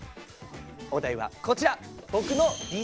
お題はこちら！